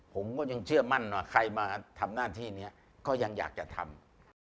ผมก็ยังเชื่อมั่นว่าใครมาทำหน้าที่นี้ก็ยังอยากจะทำ